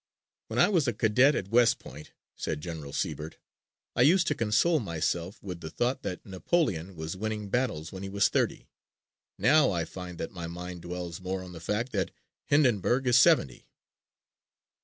"When I was a cadet at West Point," said General Sibert, "I used to console myself with the thought that Napoleon was winning battles when he was thirty. Now, I find that my mind dwells more on the fact that Hindenburg is seventy."